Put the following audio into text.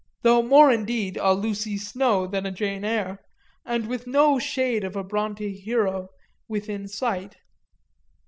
though more indeed a Lucy Snowe than a Jane Eyre, and with no shade of a Brontë hero within sight.